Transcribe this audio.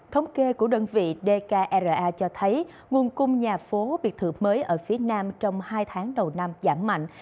thống kê của đơn vị dkra cho thấy nguồn cung nhà phố biệt thự mới ở phía nam trong hai tháng đầu năm giảm mạnh